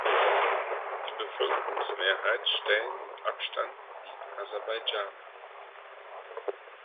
Die Bevölkerungsmehrheit stellen mit Abstand die Aserbaidschaner.